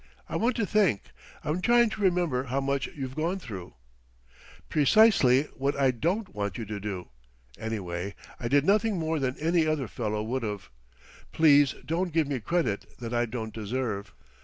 I want to think, I'm trying to remember how much you've gone through " "Precisely what I don't want you to do. Anyway, I did nothing more than any other fellow would've! Please don't give me credit that I don't deserve."